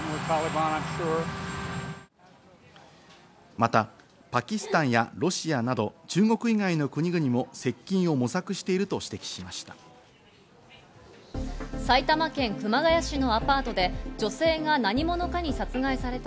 またパキスタンやロシアなど中国以外の国々も接近を模索していると指摘しました。